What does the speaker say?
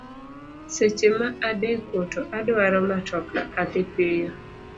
Seche ma adeko to adwaro matoka adhi piyo.